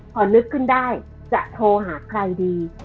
พอนึกขึ้นได้จะโทรหาใครดี